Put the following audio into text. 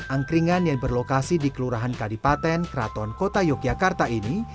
angkringan yang berlokasi di kelurahan kadipaten keraton kota yogyakarta ini